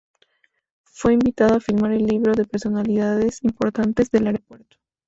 Fue invitada a firmar el libro de personalidades importantes del Aeropuerto.